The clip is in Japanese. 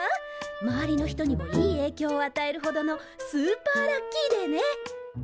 周りの人にもいいえいきょうを与えるほどのスーパーラッキーデーね。